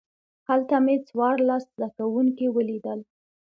هلته مې څوارلس زده کوونکي ولیدل.